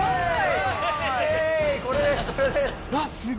これです